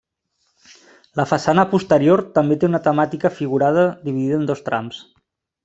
La façana posterior també té una temàtica figurada dividida en dos trams.